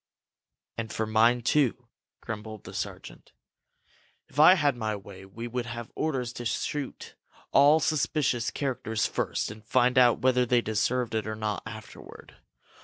"And for mine, too!" grumbled the sergeant. "If I had my way, we would have orders to shoot all suspicious characters first and find out whether they deserved it or not afterward.